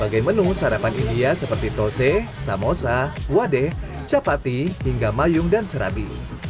warung ini menyediakan berbagai menu sarapan india seperti tosai samosa wadah chapati hingga mayung dan serabi